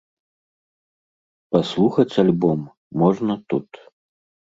Паслухаць альбом можна тут.